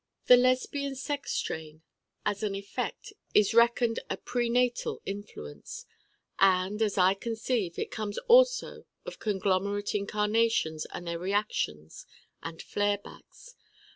The Lesbian sex strain as an effect is reckoned a prenatal influence and, as I conceive, it comes also of conglomerate incarnations and their reactions and flare backs.